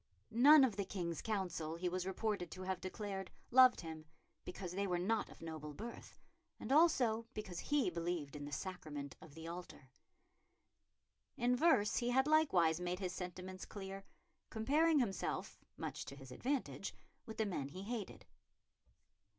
None of the King's Council, he was reported to have declared, loved him, because they were not of noble birth, and also because he believed in the Sacrament of the Altar. In verse he had likewise made his sentiments clear, comparing himself, much to his advantage, with the men he hated.